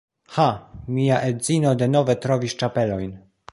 Ha, mia edzino denove trovis ĉapelojn